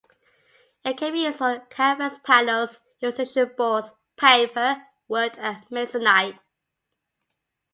It can be used on canvas panels, illustration boards, paper, wood and masonite.